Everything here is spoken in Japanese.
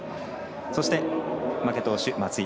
そして負け投手、松井。